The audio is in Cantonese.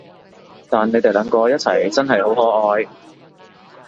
但你哋兩個一齊真係好可愛